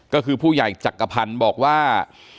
ก็คือผู้ใหญ่จักรพันธ์บอกว่า